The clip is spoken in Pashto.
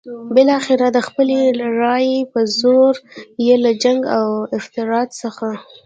بالاخره د خپلې رايې په زور یې له جنګ او افراطیت څخه.